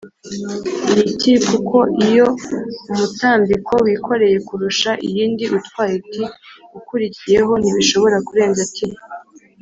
ni T kuko iyo umutambiko wikoreye kurusha iyindi utwaye T ukurikiyeho ntishobora kurenza T